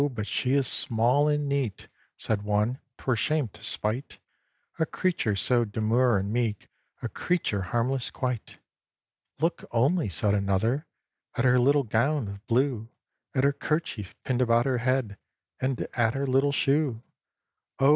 but she is small and neat!" Said one; "'twere shame to spite A creature so demure and meek, A creature harmless quite!" "Look only," said another, "At her little gown of blue, At her kerchief pinned about her head, And at her little shoe!" "Oh!